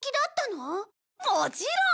もちろん！